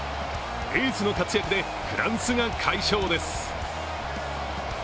エースの活躍でフランスが快勝です。